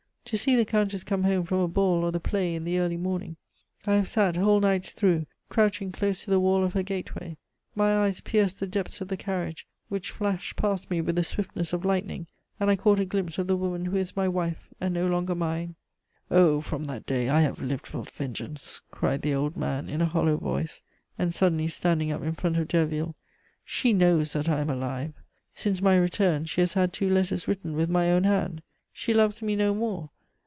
"To see the Countess come home from a ball or the play in the early morning, I have sat whole nights through, crouching close to the wall of her gateway. My eyes pierced the depths of the carriage, which flashed past me with the swiftness of lightning, and I caught a glimpse of the woman who is my wife and no longer mine. Oh, from that day I have lived for vengeance!" cried the old man in a hollow voice, and suddenly standing up in front of Derville. "She knows that I am alive; since my return she has had two letters written with my own hand. She loves me no more!